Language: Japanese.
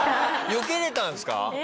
よけれたんですか？